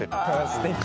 すてき。